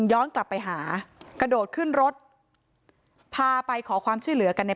ย้อนกลับไปหากระโดดขึ้นรถพาไปขอความช่วยเหลือกันใน